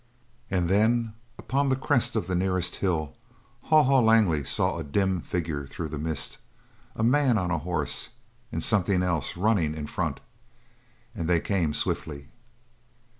And then, upon the crest of the nearest hill, Haw Haw Langley saw a dim figure through the mist, a man on a horse and something else running in front; and they came swiftly.